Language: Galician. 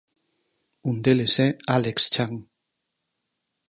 Un deles é Álex Chan.